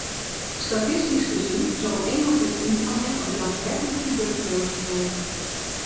Statistisch gezien zal één op de tien van hen ook daadwerkelijk tuberculose krijgen.